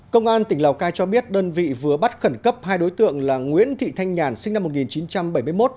công an tỉnh lào cai cho biết đơn vị vừa bắt khẩn cấp hai đối tượng là nguyễn thị thanh nhàn sinh năm một nghìn chín trăm bảy mươi một